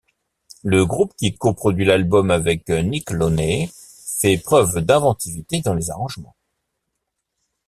Le groupe, qui coproduit l'album avec Nick Launay, fait preuve d'inventivité dans les arrangements.